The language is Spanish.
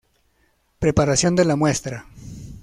Preparación de la muestra.